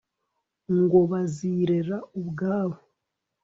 ngo bazirera ubwabo